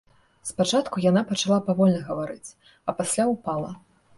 Спачатку яна пачала павольна гаварыць, а пасля ўпала.